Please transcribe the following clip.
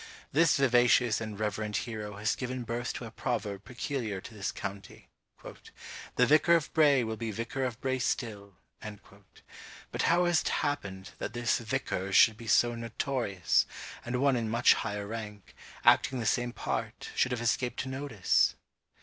This vivacious and reverend hero has given birth to a proverb peculiar to this county, "The vicar of Bray will be vicar of Bray still." But how has it happened that this vicar should be so notorious, and one in much higher rank, acting the same part, should have escaped notice?